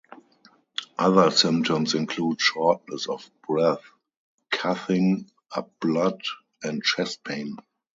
Other symptoms include shortness of breath, coughing up blood, and chest pain.